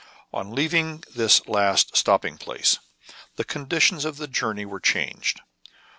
On leaving this last stopping place, the condi tions of the journey were changed.